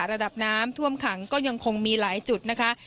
ระดับน้ำท่วมขังก็ยังคงมีหลายจุดนะคะ